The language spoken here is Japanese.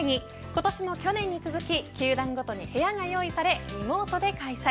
今年も去年に続き球団ごとに部屋が用意されリモートで開催